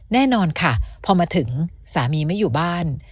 แน่นอนค่ะพอมาถึงสามีไม่อยู่บ้าน